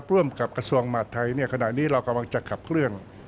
ร่วมกับกระทรวงมาร์ทไทยขณะนี้เรากำลังจะขับเครื่อง